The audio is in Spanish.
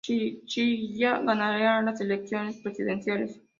Chinchilla ganaría las elecciones presidenciales.